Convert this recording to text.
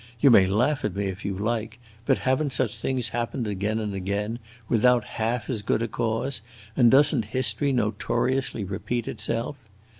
You may laugh at me if you like, but have n't such things happened again and again without half as good a cause, and does n't history notoriously repeat itself?